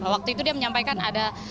waktu itu dia menyampaikan ada